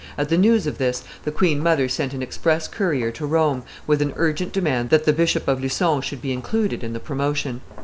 At the news of this, the queen mother sent an express courier to Rome with an urgent demand that the Bishop of Lucon should be included in the promotion.